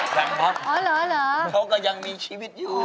แบบบ๊อคเขาก็ยังมีชีวิตอยู่ครับ